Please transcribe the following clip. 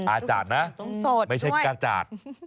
อาจารย์นะไม่ใช่กระจาด